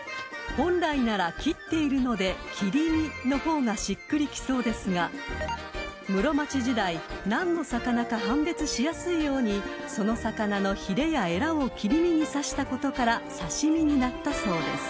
［本来なら切っているので切り身の方がしっくりきそうですが室町時代何の魚か判別しやすいようにその魚のひれやえらを切り身に刺したことから刺し身になったそうです］